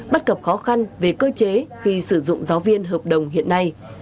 bất cập khó khăn về cơ chế khi sử dụng giáo viên hợp đồng hiện nay